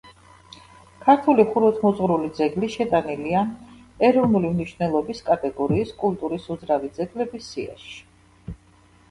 ქართული ხუროთმოძღვრული ძეგლი შეტანილია ეროვნული მნიშვნელობის კატეგორიის კულტურის უძრავი ძეგლების სიაში.